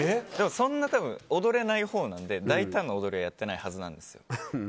そんな多分踊れないほうなんで大胆な踊りはやってないはずなんですよ。